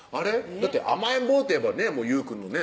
だって甘えん坊っていえばね優くんのね